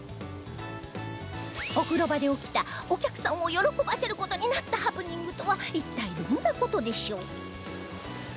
お風呂場で起きたお客さんを喜ばせる事になったハプニングとは一体どんな事でしょう？